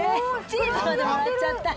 チーズまでもらっちゃった。